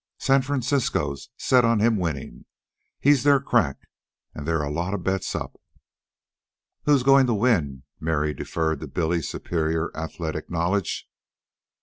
San Francisco's set on him winning. He's their crack, an' there's a lot of bets up." "Who's goin' to win?" Mary deferred to Billy's superior athletic knowledge.